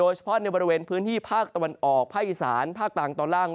เฉพาะในบริเวณพื้นที่ภาคตะวันออกภาคอีสานภาคกลางตอนล่าง